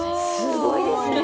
すごいですね。